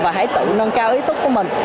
và hãy tự nâng cao ý thức của mình